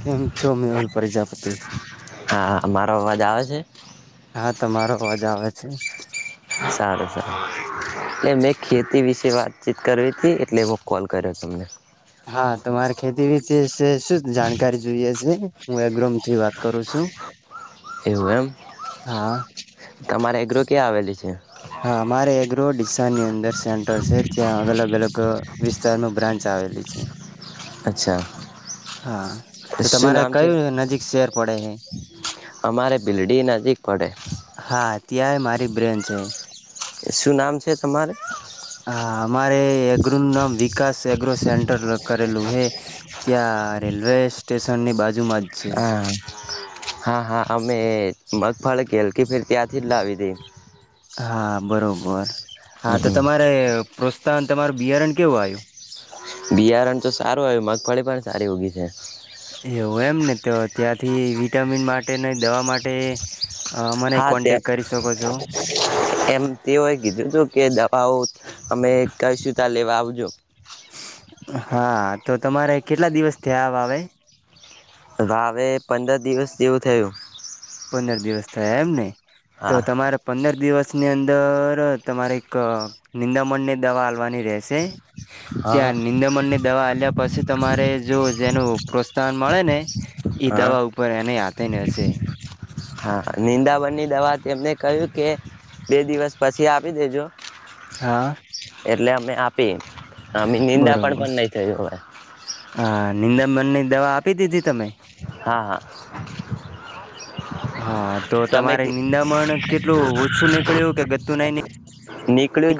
કેમ છો મેહુલ પ્રજાપતિ? હા મારો અવાજ આવે છે. હા તમારો અવાજ આવે છે. સારું સારું એ મ ખેતી વિશેે વાતચીત કરવી. કે એટલે એવો કોલ કર્યો તમને. હા તમારે ખેતી વિતેશે શું શું જાણકારી જોઈએ છે હું એગ્રોમ થી વાત કરું છું એવું એમ. હા તમારે એગ્રો ક્યાં આવેલી છે. હા મારે એગ્રો ડીસાની અંદર સેન્ટર છે ત્યાં અલગ અલગ વિસ્તાર ન બ્રાન્ચ આવેલ છે. અચ્છા. હા તો શું તમારે નામ છે કયું નજીક શેર પડે હૈ. અમારે ભીલડી નજીક પડે. ત્યાંય મારી બ્રેન છે. શું નામ છે? અમારે. હા અમારે એગ્રો નું નામ વિકાસ એગ્રો સેન્ટર લ કરેલું હે ત્યાં રેલવે સ્ટેશનની બાજુમાં જ છે હા હા હા. અમે મગફળ ગેલકી ફેર ત્યાંથી જ લાવી દે. હા બરોબર. હા તો હમ, તમારે તમારું બિયારણ કેવું આવ્યું બિયારણ તો સારું આવ મગફળી પણ સારી ઊગી છે એવું એમ ને તો ત્યાંથી વિટામિન માટે ને દવા માટે તે હા ત્યા એમ તેઓય કીધું કે દવાઓ અમે કશું ત્યા લેવા આવજો હા તો તમારે કેટલા દિવસ થયા આવે રવે પંદર દિવસ જેવું થયું પંદર દિવસ થયા એમ ને તો હા તમારે પંદર દિવસ ની અંદર તમારે એક નિંદામણની દવા હાલવાની રહેશે હા ત્યાં નિંદમણ ની દવા હલ્યા પછી તમારે જો જેનું પ્રોત્સાન મળને એ હા દવા ઉપર એને આથેને હશે હા નિંદાવનની દવા તેમને કહ્યું કે બે દિવસ પછી આપી દેજો હા પીન હ નિંદા પણ નહી થય હવે હ નિંદાબનની દવા આપી દીધી તમે હા હા હા તો તમે તમારે નિંદામણ કેટલું ઓછું નીકળ્યું કે ગતું નઈની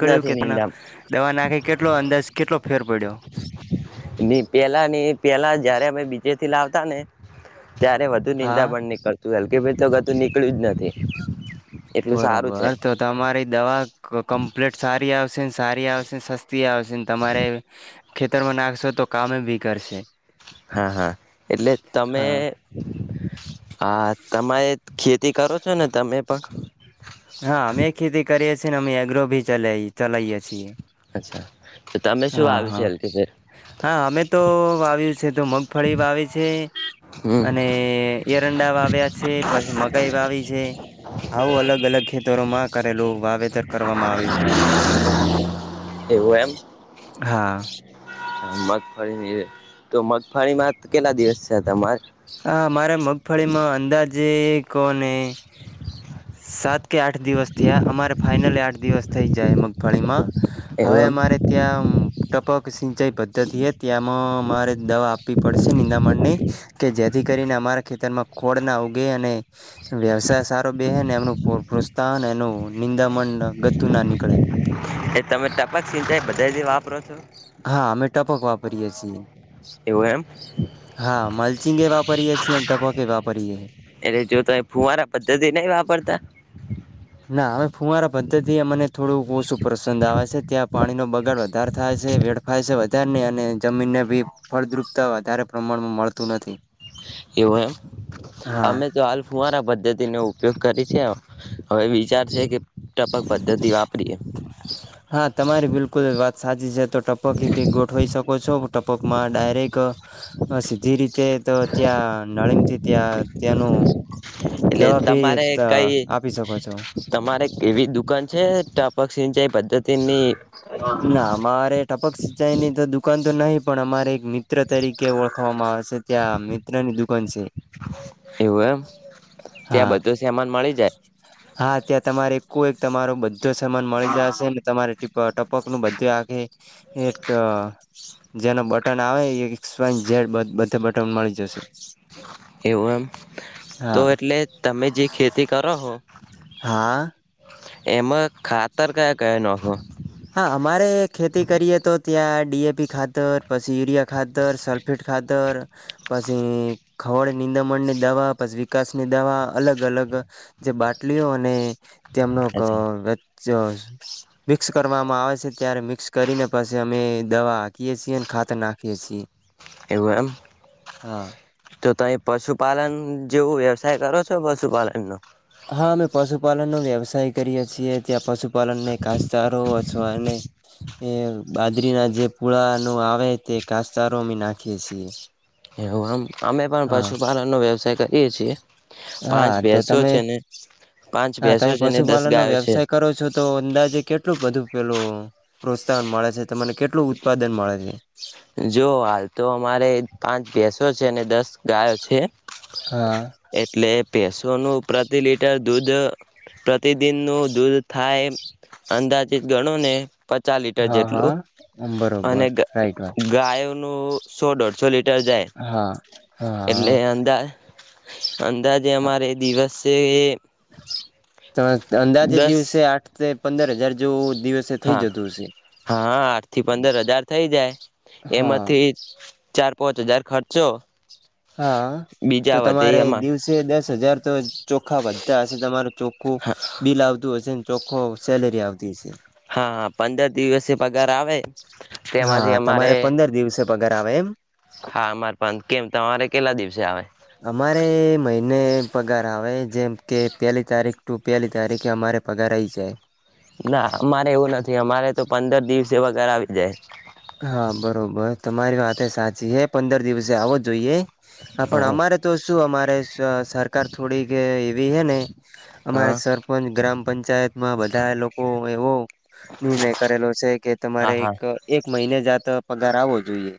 જ કે નથી ત નિંદા દવા નાખી કેટલો અંદાજ કેટલો ફેર પડ્યો પેલા ની પેલા જયારે અમે બીજે થી લાવતા ને ત્યારે વધુ હા નિંદા પણણ નીકળતું કે ભાઈ તો કતું નીકળ્યું જ નથી એટલું સારું છે બરોબર તો તમારી દવા કમ્પ્લીટ સારી આવશે સારી આવશે સસ્તી આવેશે તમારે ખેતરમાં નાખશો તો કા બી કરશે હા હા એટલે તમે હા આ તમારે ખેતી તે કરો છો ને તમે પણ હા અમે ખેતી કરીએ છીએ અ એગ્રો ભી ચ ચલાએ છીએ અચ્છા તો તમે શું હા આવ્યું છે હા હલથી ફેર હા અમે તો વાવ્યું છે તો મગફળી વાવે છે અને હમ એરંડા વાવ્યા છે પછી મકાઈ વાવી છે આવું અલગ અલગ ખેતરોમાં કરેલું વાવેતર કરવામાં આવ્યું છે અમારા ખેતરમાં એવો એમ હા મગ ફરી તો મગફળીમાં કેટલા દિવસ છે તમારે હા મારા મગફળીમાં અંદાજે એક કોને સાત કે આઠ દિવસ થયા અમારે ફાાઈનલ આઠ દિવસ થઈ જાય મગફાળીમાં હવે એવું અમારે ત્યાં ટપક સિંચાઈ પદ્ધતિ છે ત્યાંમાં મામારે દવા આપવી પડશે ંદામણની કે જેથી કરીને અમારા ખેતરમાં ખોળના ઉગે અને વ્યવસાય સારો બહેન એમનું પ્રોત્સાહન અને નિંદા મડ એ તમે ટપક ચિંતા એ બતાવી દ આપ ઉપરાથ હા અમે ટપક વાપરીએ છીએ એવું એમ હા મલ્ચિંગ એ વાપરીએ છીએ અને ટપક એ વાપરીએ એટલે જો ત ફૂવારા પદ્ધતિ નહ વાપરતા ના હવે ફુવારા પદ્ધતિ અમને થોડું ઓશું પસંદ આવે છે ત્યાં પાણીનો બગાડ વધારે થાય છે વેડફાય છે વધારે નહી અને જમીનને બી ફળદ્રુપતા વધારે પ્રમાણમાં મળતું નથી એવો એમ હા અમે તો હાલ ફુવારા પદ્ધતિને તું કરી છે આવ હવે વિચાર છે કે ટપક પદ્ધતિ વાપરીએ હા તમારી બિલકુલ વાત સાચી છે તો ટપક ભી ગોઠવાઈ શકો છો ટપક માં ડાયરેક્ટ સીધી રીતે તો ત્યાં નળીંગથી ત્યાં ત્યાંનું એટલે દવા ભી તમારે કઈ આપી શકો છો તમારે એવી દુકાન છે ટપક સીન ના અમારે ટપક સિંચાઈ ની તો દુકાન તો નહીં પણ અમારે એક મિત્ર તરીકે ઓળખવામાં આવશે ત્યાં મિત્રનીુખ કો છેી એવું એમ ત્યાં હા બધો સમાન મળી જાય હા ત્યાં તમારે કો એક તમારો બધો સમાન મળી જશે ને તમારે ટપ ટપક નું બધું આખે જેનો બટન આવે એકન જેડ બધા બટન મળી જશે એવું એમ તો હા એટલે તમે જે ખેતી કરો હો હા એમાં ખાતર કયા કયા નો હા અમારે ખેતી કરીએ તો ત્યાં ડીએપી ખાતર પછી યુરિયા ખાતર સલ્ફેટ ખાતર પછી ખવડ નિંદમણની દવા પછી વિકાસની દવા અલગ અલગ જે બાટલીઓ અને તેમનો એવું વ વસ કરવામાં આવે છે ત્યારે મિક્સ કરીને પછી અમે દવા આખીએ છીએ ખાત નાખીએ છીએ એવું એમ હા જો ત પશુપાલન જેવું વ્યવસાય કરો તો પશુ પાલન ન હા અમે પશુપાલનનો વ્યવસાય કરીએ છીએ ત્યાં પશુ પલન ને કાસારો અથવાને એ બાજરી ના જે પૂળા ન આવે તે કાસચારોી નાખીએ છીએ એવું આમ અમે પણ હા પશુપાલનનોો વ્યવસાય કરી હા તો તમે છે ને પાંચ હા ભેંસો તમે છે ને દસ પશુપાલન નો ગાયો છે વ્યવસાય કરો છો તો અંદાજે કેટલું બધું પેલું પ્રોત્સાહન મળે છે તમને કેટલું ઉત્પાદન મળે છે જો હાલ તો અમારે પાંચ દિવસ છે ને દસ ગ અ છે હા એટલે પેસો નું પ્રતિ લિટર દૂધ પ્રતિદિન નું દૂધ થાય અંદાજીિત ગણો ને પચાસ લીટર હા જેટલું હા અને બરોબર રાઈટ વાત ગાયનું સો દોઢસોે જાય હા એટલે હા અંદા અંદાજે અમારે દિવસ છે એ ત અંદાજે દિવસે આઠ પંદર હજાર જો હા હા આઠ થી પંદર હજાર થઇ જાય હા એમાંથી ચાર પાંચ હજાર ખર્ચો હા તો બીજા વધે તમારે એમાં દિવસે દસ હજાર તો. [inaudible] ચોખ્ખા વધતા હશે. તમારું ચોખ્ખું બિલ આવતું હશે. ચોખો સેલેરી આવતી હશે હા, હા, પંદર દિવસે પગાર આવે હા તેમાંથી અમારે તમારે પંદર દિવસે પગાર આવે એમ હા. અમારે પણ કેમ તમારે કેટલા દિવસે આવે. અમારે મહિને પગાર આવે જેમ કે પેલી તારીખ ટુ પેલી તારીખે અમારે પગાર આવી હી જાય. ના, મારે એવું નથી. કે અમારે. તો પંદર દિવસે પગાર આવી જાય. હા, બરોબર તમારી વાતએ સાચી છે, પંદર દિવસે આવો જોઈએ. હા. પણ, અમારે તો. શું. અમારે સરકાર થોડીક એવી હે. ને અમારે હા સરપંચ ગ્રામ પંચાયત માં બધા લોકો એવો. નિર્ણય કરેલો છે. કે હા તમારે હા એક એક. ને જા હા તો પગાર આવવો જોઈએ.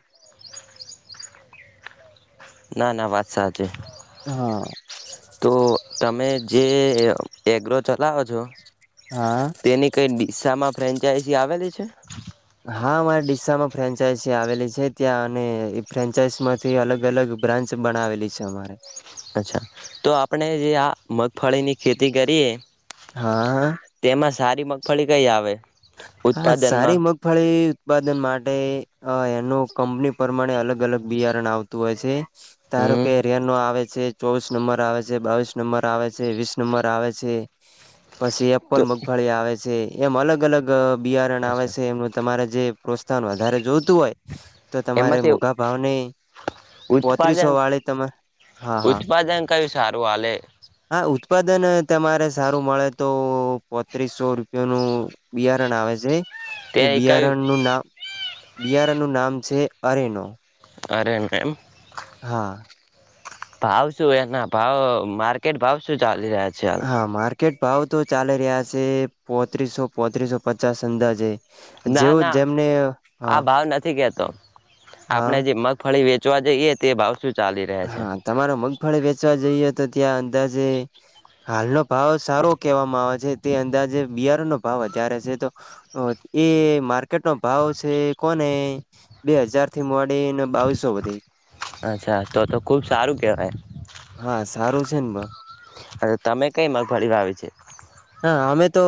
ના. ના. વાત સાચી હા. તો તમે. જે એગ્રો, ચલાવો છો. હા. તેની કઈ દિશા માં ફ્રેન્ચ ક્યા એસી આવેેલી છે હા. મારે ડીસા માં ફ્રેન્ચાઇઝ આવેલી છે. ત્યાં અને એ ફ્રેન્ચાઈઝ માંથી અલગ અલગ બ્રાન્ચ બનાવેલી છે. અમારે અચ્છા, તો આપણેે જે આ મગફળી ની ખેતી કરીએ. હા. તેમાં સારી મગફળી કઈ આવે. હા. સારી ઉત્પાદનમાં મગફળી ઉત્પાદન માટે એ. એનું કંપની પ્રમાણે અલગ અલગ બિયારણ આવતું હોય છે. ધારો હમ કે રેનો આવે છે છે ચોવીસ નંબર આવે છે. બાવીસ નંબર આવે છે. વીસ નંબર આવે છે. પછી તો અપ્પ્લે મગફળી આવે છે. એમ અલગ અલગ. અ બિયારણ આવે અચ્છા છે. એમનું તમારે જે પ્રોત્સાહન વધારે જોતુ ઉગતું હોય તો તમારે એમાંથી મોઘા ભાવનની ઉત્પાદન પોત્રીસો વાળી તમારે હા હા ઉત્પાદન કયું સારું હાલે હા ઉત્પ ઉત્પાદન તમારે સારું મળે તો પોત્રીસસો રૂપિયા નું... બિયારણ આવે છે. તે એ કયું બિયારણનું નામ... બિયારણ નું નામ છે અરેનો. અરેન એમ. હા. ભાવ શું એના ભાવ માર્કેટ ભાવ શું ચાલી રહ્યા છે. હાલ હા મા ક્રિકેટ ભાવ તો ચાલી રહ્યા સે પોત્રીસો પોત્રીસો પચાસ અંદાજે. ના જેવું ના જેમને આ હા ભાવ નથી કેતો હા આપણેે જે મગફળી વેચ ચવા જઈએ તે ભાવ શુ હા તમારો મગ ફળ વેચવા જઈએ તો ત્યાં અંદાજે હાલનો... ભાવ સારો કહેવામાં આવે છે. તે અંદાજે બિયારણ નો ભાવ વધારે છે તો એ માર્કેટ નો ભાવ છે કોને બે હજારથી મો એન બાવીસો વધી. ખૂબ સારું કહેવાય. સારું છે ને એટલે તમે કઈ મગફળી વાાવી છે. હા અમે તો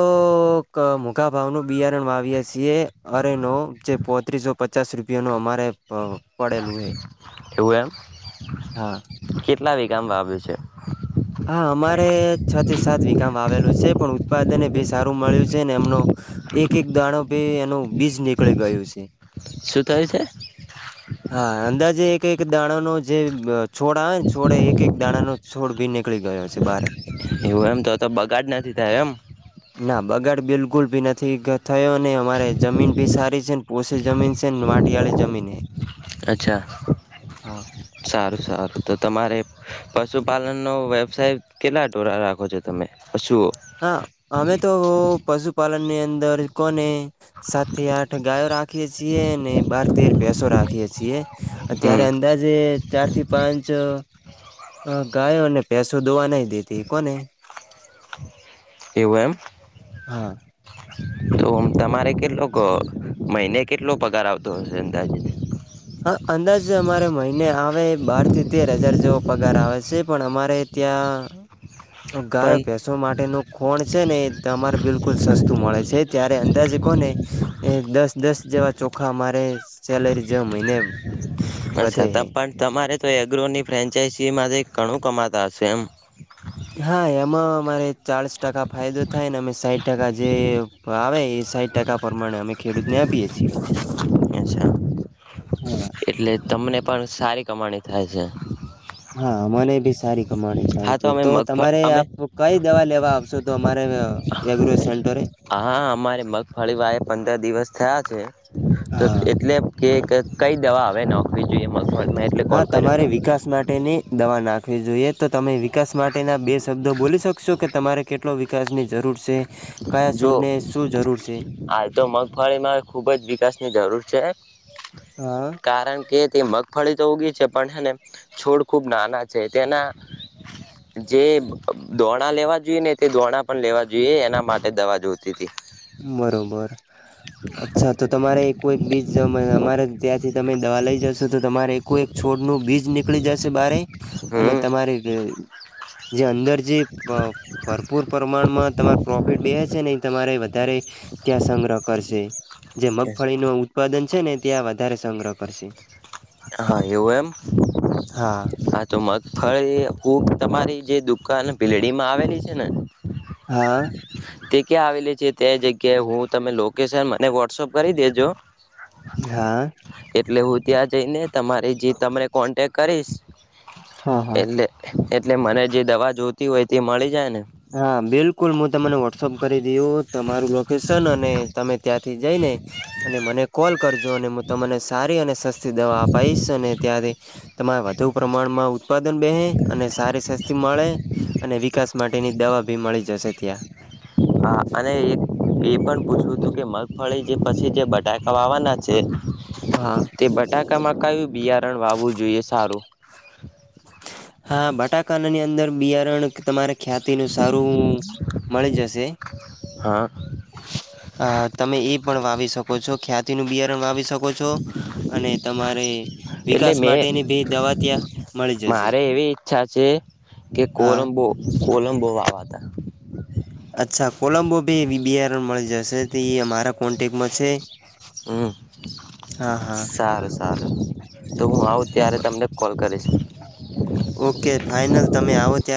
કમુ... કા ભાવનું બિયારણ વાવીએ છીએ અરેનો જે પોત્રીસો પચાસ રૂપિયાનું અમારે... પ પડેલું હે. એવું એમ. હા. કેટલા વિગામા આવ્યું છે. હા અમારે છ થી સાત વિઘામા આવેલું છે પણ... ઉત્પાદન એ ભી સારું મળ્યું છે ને એમનો એક એક દાણો ભી એનું બીજ નીકળી ગયું છે. શું થયું છે હા અંદાજે એક... એક દાણા નો જે... છોડ આવે ને છોડ એ એક એક દાણા નો... છોડ બીને... નીકળી ગયો છે બારે. એવું એમ તો તો બગાડ નથી થયો એમ. ગુલ ભી નથી થયો ને અમારે જમીન ભી સારી છે ને પોષી જમીન સે માટી વાળી જમીન હે. અચ્છા હા સારું સારું તો તમારે... પશુપાલનનો વ્યવસાય કેટલા ટોળા રાખો છો તમે... પશુઓ હા અમે તો પશુપાલન ની અંદર કોને સાત થી આઠ ગાયો રાખીએ છીએ બાર તેર ભૈસો રાખીએ છીએ હમ અત્યારે અંદાજે ચાર થી પાંચ હ ગાયોને ભૈસો દોવા નઈ દેતી કોને એવું એમ હા. તો તો. તમારે કેટલો ક મહિને કેટલો પગાર આવતો હશે અંદાજી હા અંદાજે અમારે મહિને આવે બાર થી તેર હજાર જેવો પગાર આવે છે પણ અમારે ત્યાં પણ ગાયો ભેંસો માટેનું ખોણ છે ને એ તમારે બિલકુલ સસ્તું મળે છે ત્યારે અંદાજે કો ને એ દસ દસ જેવા ચોખા મારે સેલેરી જવા મળ ને અચ્છા પણ તમારે તો એગ્રોની ફ્રેન્ચાઈસી માં ઘણું કમાતા હશે એમ હા એમાં મારે ચાળીસ ટકા ફાયદો થાય ને અમે સાહીઠ ટકા જે ભાવે એ સાઠ ટકા પ્રમાણે અમે ખેડૂતને આપીએ છીએ. અચ્છા હા એટલે તમને પણ સારી કમાણી થાય છે. હા મને ભી સારી હા કમાણી અમે તો મગફળ તમારે અમે આપ કઈ દવા લેવા આવશો તો અમારે એગ્રો સેન્ટરે હા અમારે મગફળી વાએ પંદર દિવસ થયા છે. તો હા એટલે કે કઈ દવા આવે નોખવી જોઈએ મેં એટલે હા કોલ કર્યો હતો. તમારે વિકાસ માટેની દવા નાખવી જોઈએ તો તમે વિકાસ માટેના બે શબ્દો બોલી શકશો કે તમારે કેટલો વિકાસની જરૂર છે. કયા જો છોડને શું જરૂર છે હાલ તો મગફળીમાં ખુબ જ વિકાસ જરૂર છે. હા કારણ કે તે મગ ફળી તો ઊગી છે પણ હને છોડ ખૂબ નાના છે તેના જે દોણા લેવા જોઈએ ને તે દોણા પણ લેવા જોઈએ એના માટે દવા જોતી હતી. બરોબર. અચ્છા તો તમારે એક કોઈક બીજ અમારે ત્યાંથી તમે દવા લઈ જશો તો તમારે એક એક છોડ નું બીજ નીકળી જશે બારે અને હમ તમારે જે અંદર જી ભરપૂર પ્રમાણમાં તમારે પ્રોફિટ બે છે નહી તમારે વધારે ત્યાં સંગ્રહ કરશે જે મગફળી ન ઉત્પાદન છે ને ત્યાં વધારે સંગ્રહ કરશે હા એવું એમ હા તો મગફળી ખુક તમારી જે દુકાન ભીલડી માં આવેલી છે ને હા તે ક્યાં આવેલી છે તે જગ્યાએ હું તમે લોકેશન મને વોટ્સઅપ કરી દેજો હા એટલે હું ત્યાં જ તેઈને તમારી જે તમને કોન્ટેક્ટ કરીશ હા હા એટલે એટલે મને જે દવા જોતી હોય તે મળી જાય ને હા બિલકુલ હું તમને વોટ્સઅપ કરી દીું તમારું લોકેશન અને તમે ત્યાંથી જઈ ને અને મને કોલ કરજો અને હું તમને સારી અને સસ્તી દવા અપાવીશ અને ત્યાંથી તમારે વધુ પ્રમાણમાં ઉત્પાદન બેહે અને સારી સસ્તી મળે અને વિકાસ માટે ની દવા ભી મળી જશે ત્યાં હા અને એ પણ પૂછવું હતું કે મગફળી જે પછી જે બટાકા વાવાના છે હા તે બટાકામાં કયું બિયારણ વાવું જોઈએ સારું [inaudible] હા બટાાના ની અંદર બિયારણ તમારે ખ્યાતિ નું સારું મળી જશે હા તમે એ પણ વાવી શકો છો ખ્યાતિ ન બિયર રંગાવી શકો આપ છો અને તમારે એટલે વિકાસ મેં માટેની બે દવા ત્યાં મળી જશે મારે એવી ઈચ્છા છે કે હા કોલંબો કોલંબો તોવાવાતા અચ્છા કોલમ્બો ભી બીઆાર મળે જ જૈસેથી અમારાા કોન્ટેક્ટમાં છે હમ હા હા સારું સારું તો હું આવું ત્યારે તમને કોલ કરીશ ઓકે ફાઈનલ તમે આવો ત્યારે